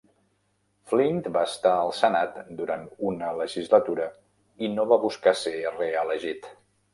Flint va estar al Senat durant una legislatura i no va buscar ser reelegit.